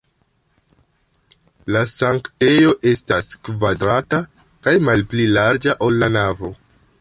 La sanktejo estas kvadrata kaj malpli larĝa, ol la navo.